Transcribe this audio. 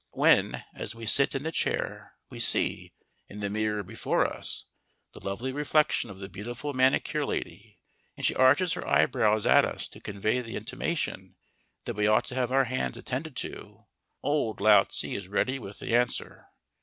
_ When, as we sit in the chair, we see (in the mirror before us) the lovely reflection of the beautiful manicure lady, and she arches her eyebrows at us to convey the intimation that we ought to have our hands attended to, old Lao Tse is ready with the answer.